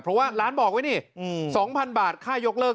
เพราะว่าร้านบอกไว้นี่๒๐๐๐บาทค่ายกเลิก